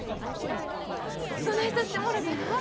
そないさしてもろたら？